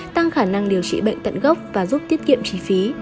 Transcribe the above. tăng khả năng điều trị bệnh tận gốc và giúp tiết kiệm chi phí